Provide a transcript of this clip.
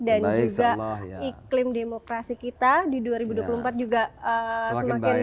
dan juga iklim di bumpah kita di dua ribu dua puluh empat semakin baik